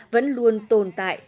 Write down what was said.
vẫn luôn tồn tại